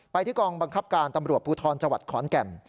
ไปที่กองบังคับการตำรวจภูทรจขอนแก่ม